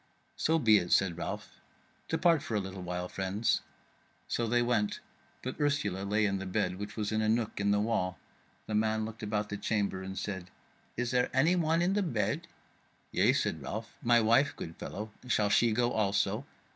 "So be it," said Ralph; "depart for a little while, friends." So they went but Ursula lay in the bed, which was in a nook in the wall; the man looked about the chamber and said: "Is there any one in the bed?" "Yea," said Ralph, "my wife, good fellow; shall she go also?"